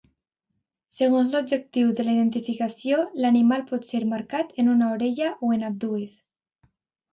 Segons l'objectiu de la identificació, l'animal pot ser marcat en una orella o en ambdues.